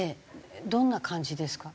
どんな感じですか？